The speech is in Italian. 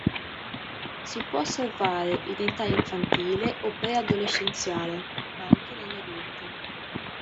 Si può osservare in età infantile o pre-adolescenziale, ma anche negli adulti.